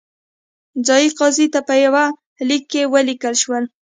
ځايي قاضي ته په یوه لیک کې ولیکل شول.